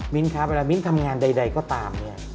มิ้นครับมิ้นทำงานใดก็ตาม